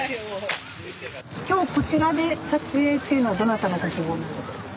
今日こちらで撮影っていうのはどなたのご希望なんですか？